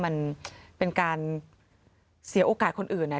มันเป็นการเสียโอกาสคนอื่น